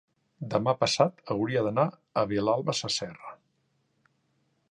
demà passat hauria d'anar a Vilalba Sasserra.